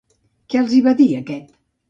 Què els hi va dir aquest?